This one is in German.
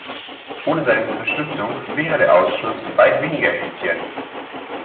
Ohne seine Unterstützung wäre der Ausschuss weit weniger effizient.